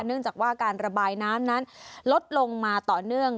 เนื่องจากว่าการระบายน้ำนั้นลดลงมาต่อเนื่อง